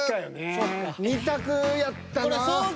２択やったな。